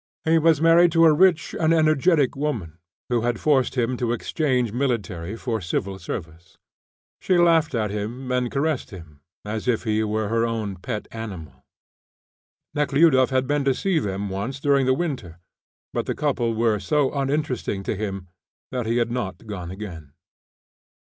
He was married to a rich and energetic woman, who had forced him to exchange military for civil service. She laughed at him, and caressed him, as if he were her own pet animal. Nekhludoff had been to see them once during the winter, but the couple were so uninteresting to him that he had not gone again.